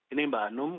ini mbak anum